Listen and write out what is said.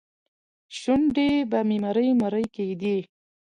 شونډې به مې مرۍ مرۍ کېدې.